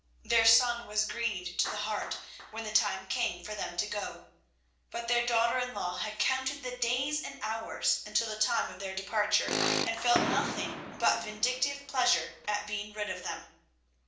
Their son was grieved to the heart when the time came for them to go, but their daughter in law had counted the days and hours until the time of their departure, and felt nothing but vindictive pleasure at being rid of them.